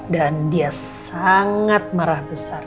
dan dia sangat marah besar